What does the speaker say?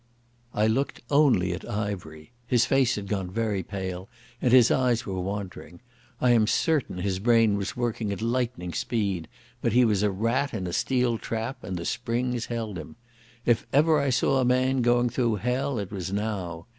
I looked only at Ivery. His face had gone very pale, and his eyes were wandering. I am certain his brain was working at lightning speed, but he was a rat in a steel trap and the springs held him. If ever I saw a man going through hell it was now.